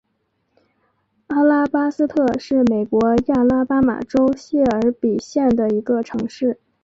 阿拉巴斯特是美国亚拉巴马州谢尔比县的一个城市。